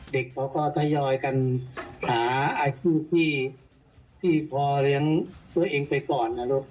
เด็กพอก็ทยอยกันหาอาชีพที่พอเลี้ยงตัวเองไปก่อนนะลูก